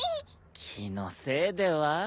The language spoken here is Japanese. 気のせいでは？